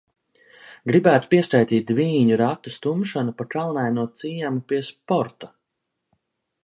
Gribētu pieskaitīt dvīņu ratu stumšanu pa kalnaino ciemu pie sporta...